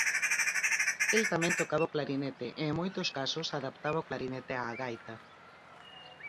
El tamén tocaba o clarinete e en moitos casos adaptaba o clarinete á gaita.